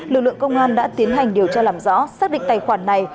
lực lượng công an đã tiến hành điều tra làm rõ xác định tài khoản này